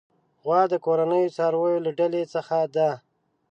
غوا د کورني څارويو له ډلې څخه ده.